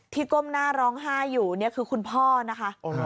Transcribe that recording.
ก้มหน้าร้องไห้อยู่นี่คือคุณพ่อนะคะ